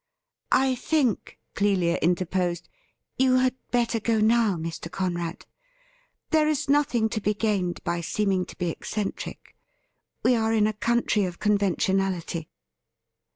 ' I think,' Clelia interposed, ' you had better go now, Mr. Conrad. There is nothing to be gained by seeming to be eccentric. We are in a country of conventionality.'